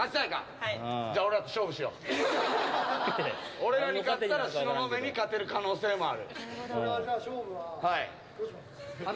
俺らに勝ったら東雲に勝てる可能性もある。